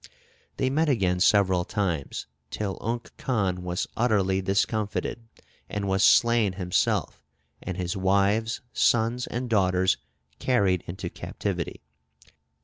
They met again several times, till Unk Khan was utterly discomfited, and was slain himself, and his wives, sons, and daughters carried into captivity.